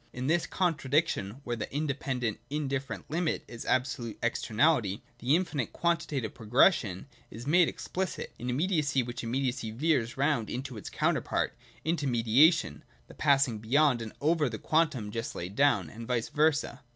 In this contradiction, where the independent indifferent limit is absolute ex ternality, the Infinite Quantitative Progression is made 104.J THE INFINITE PROGRESSION. 195 explicit — an immediacy which immediately veers round into its counterpart, into mediation (the passing beyond and over the quantum just laid down), and vice versa.